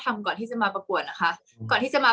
กากตัวทำอะไรบ้างอยู่ตรงนี้คนเดียว